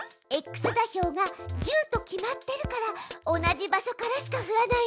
ｘ座標が１０と決まってるから同じ場所からしか降らないのよ。